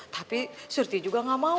tapi surti juga nggak mau